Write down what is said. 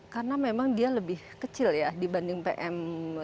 karena memang dia lebih kecil ya dibanding pm sepuluh